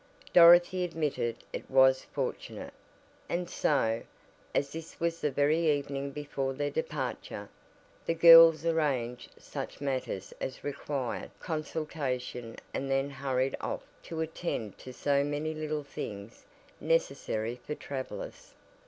Dorothy admitted it was fortunate, and so, as this was the very evening before their departure, the girls arranged such matters as required consultation and then hurried off to attend to so many little things necessary for travelers.